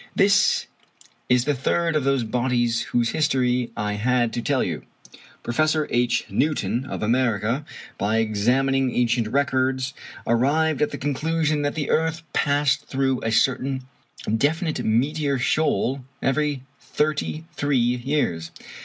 This is the third of those bodies whose history I had to tell you. Professor H.A. Newton, of America, by examining ancient records arrived at the conclusion that the earth passed through a certain definite meteor shoal every thirty three years.